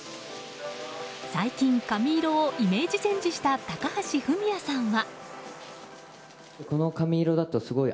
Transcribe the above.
最近、髪色をイメージチェンジした高橋文哉さんは。